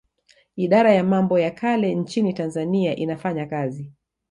Idara ya mambo ya kale nchini Tanzania inafanya kazi